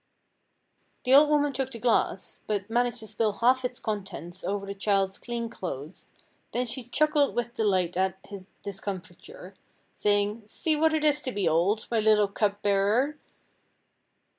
The old woman took the glass, but managed to spill half its contents over the child's clean clothes, then she chuckled with delight at his discomfiture, saying "see what it is to be old, my little cup bearer."